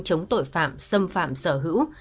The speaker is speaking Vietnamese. chống tội phạm xâm phạm sở hữu